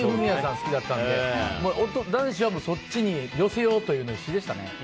好きだったので男子はそっちに寄せようと必死でしたね。